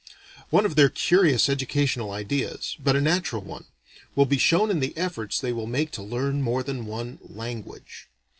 One of their curious educational ideas but a natural one will be shown in the efforts they will make to learn more than one "language."